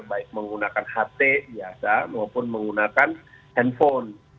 baik menggunakan ht biasa maupun menggunakan handphone